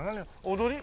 踊り？